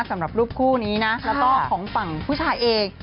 สำหรับรูปคู่นี้นะแล้วก็ของฝั่งผู้ชายเอง